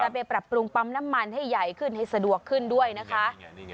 ไปปรับปรุงปั๊มน้ำมันให้ใหญ่ขึ้นให้สะดวกขึ้นด้วยนะคะ